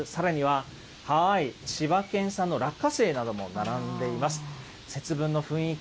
大豆、さらには千葉県産の落花生なども並んでいます。